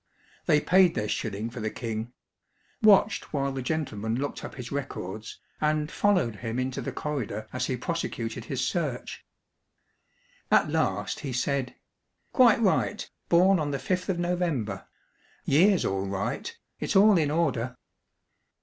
They paid their shilling for the King; watched while the gentleman looked up his records, and followed him into the corridor as he prosecuted his search. At last he said "Quite right. Born on the fifth of November: year's all right. It's all in order."